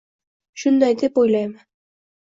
Shunday deb o'ylayman.